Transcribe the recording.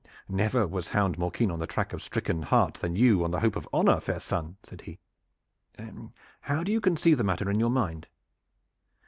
"Never was hound more keen on the track of a stricken hart than you on the hope of honor, fair son," said he. "How do you conceive the matter in your mind?"